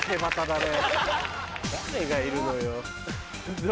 誰がいるのよ？